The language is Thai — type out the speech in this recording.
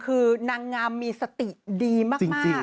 คือนางงามมีสติดีมาก